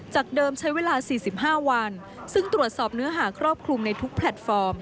เดิมใช้เวลา๔๕วันซึ่งตรวจสอบเนื้อหาครอบคลุมในทุกแพลตฟอร์ม